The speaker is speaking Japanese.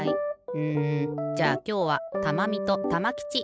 うんじゃあきょうはたまみとたまきちいってくれ。